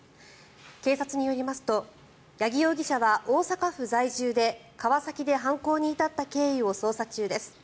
警察によりますと八木容疑者は大阪府在住で川崎で犯行に至った経緯を捜査中です。